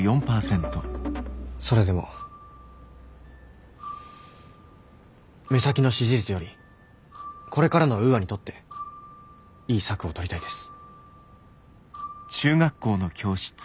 それでも目先の支持率よりこれからのウーアにとっていい策を取りたいです。